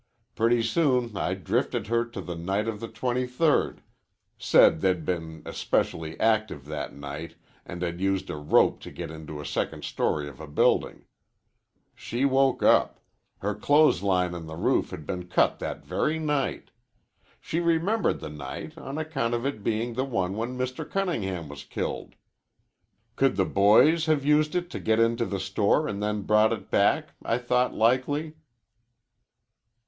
Pretty soon I drifted her to the night of the twenty third said they 'd been especially active that night and had used a rope to get into a second story of a building. She woke up. Her clothesline on the roof had been cut that very night. She remembered the night on account of its being the one when Mr. Cunningham was killed. Could the boys have used it to get into the store an' then brought it back? I thought likely."